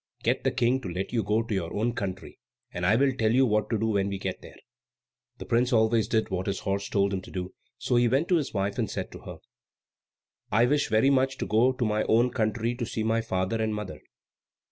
Get the King to let you go to your own country, and I will tell you what to do when we get there." The prince always did what his horse told him to do; so he went to his wife and said to her, "I wish very much to go to my own country to see my father and mother."